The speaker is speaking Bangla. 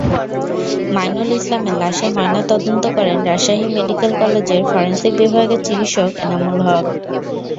মাইনুল ইসলামের লাশের ময়নাতদন্ত করেন রাজশাহী মেডিকেল কলেজের ফরেনসিক বিভাগের চিকিৎসক এনামুল হক।